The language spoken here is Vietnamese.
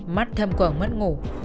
mắt thâm quẩn mất ngủ